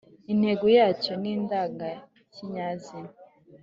intego yacyo ni indangakinyazina